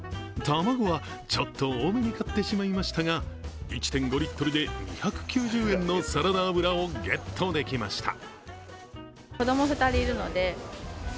卵はちょっと多めに買ってしまいましたが１．５リットルで２９０円のサラダ油をゲットできました。